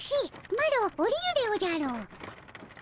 マロおりるでおじゃる。